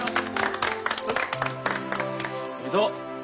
おめでとう！